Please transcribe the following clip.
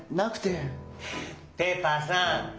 ペーパーさん